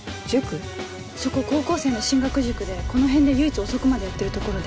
そこ高校生の進学塾でこの辺で唯一遅くまでやってる所で。